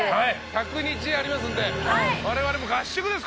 １００日ありますんで我々も合宿です